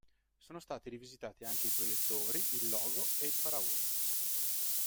Sono stati rivisitati anche i proiettori, il logo e il paraurti.